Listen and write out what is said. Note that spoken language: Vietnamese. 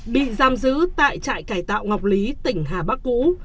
bị giam giữ tại trại cải tạo ngọc lý tỉnh hà bắc cũ